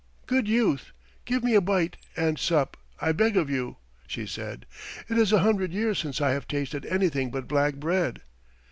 "Good youth, give me a bite and sup, I beg of you," she said. "It is a hundred years since I have tasted anything but black bread."